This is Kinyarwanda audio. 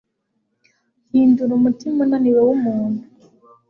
Hindura umutima unaniwe wumuntu